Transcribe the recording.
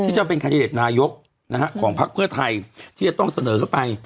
ที่จะเป็นคาดิเดตนายกนะฮะของภักดิ์เพื่อไทยที่จะต้องเสนอเข้าไป